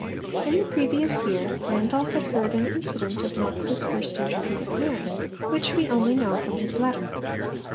In the previous year Randolph had heard an incident of Knox's first interview with Mary, which we only know from his letter.